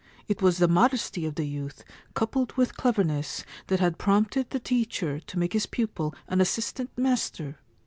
It was the modesty of the youth, coupled with cleverness, that had prompted the teacher to make his pupil an assistant master.